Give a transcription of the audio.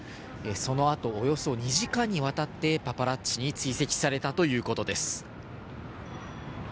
そのあとおよそ２時間にわたってパパラッチに追跡されたということです。